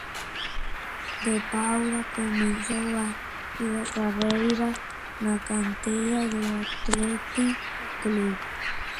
De Paula comenzó su carrera en la cantera del Athletic Club.